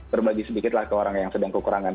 berbagi sedikit lah ke orang yang sedang kekurangan